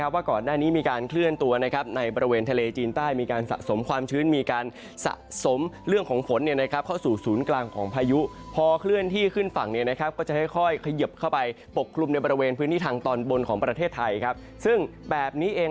ว่าก่อนหน้านี้มีการเคลื่อนตัวในบริเวณทะเลจีนใต้